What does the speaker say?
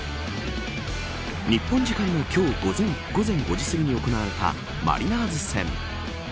日本時間の今日午前５時すぎに行われたマリナーズ戦。